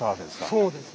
そうです。